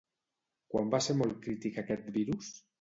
Quan va ser molt crític aquest virus?